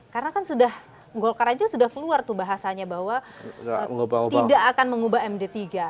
karena kan sudah golkar aja sudah keluar tuh bahasanya bahwa tidak akan mengubah md tiga